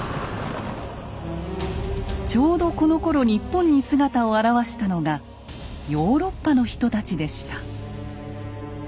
ちょうどこのころ日本に姿を現したのがヨーロッパの人たちでした。